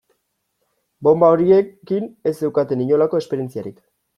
Bonba horiekin ez zeukaten inolako esperientziarik.